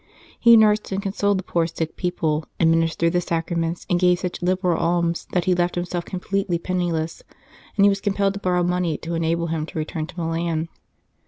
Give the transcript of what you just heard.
He nursed and consoled the poor sick people, ad ministered the Sacraments, and gave such liberal alms that he left himself completely penniless, and he was compelled to borrow money to enable him to return to Milan.